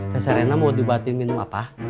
teh serena mau dibahatin minum apa